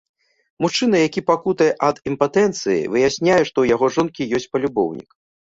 Мужчына, які пакутуе ад імпатэнцыі, выясняе, што ў яго жонкі ёсць палюбоўнік.